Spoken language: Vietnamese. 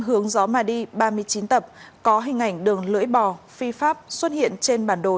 hướng gió mà đi ba mươi chín tập có hình ảnh đường lưỡi bò phi pháp xuất hiện trên bản đồ